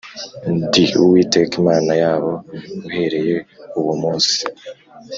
ndi Uwiteka Imana yabo uhereye uwo munsi